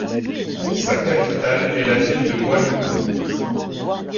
Sa capitale est la ville de Huánuco.